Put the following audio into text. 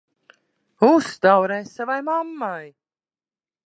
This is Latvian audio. Uztaurē savai mammai!